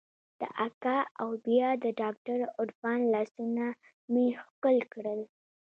د اکا او بيا د ډاکتر عرفان لاسونه مې ښکل کړل.